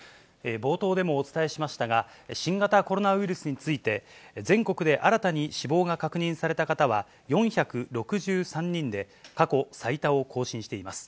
冒頭でもお伝えしましたが、新型コロナウイルスについて、全国で新たに死亡が確認された方は４６３人で、過去最多を更新しています。